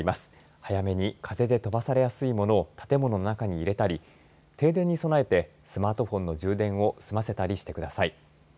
早めに風で飛ばされやすいものを建物の中に入れたり停電に備えてスマートフォンの充電を済ませたりしてください。